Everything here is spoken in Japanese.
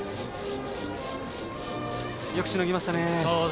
よくしのぎましたね。